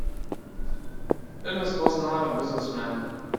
Dennis was not a business man.